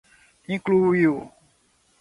incluiu